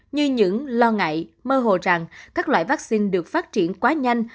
như những lo ngại mơ hồ rằng các loại vaccine được phát triển quá nhanh